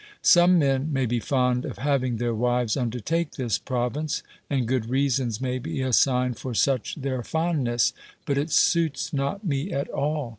"Some men may be fond of having their wives undertake this province, and good reasons may be assigned for such their fondness; but it suits not me at all.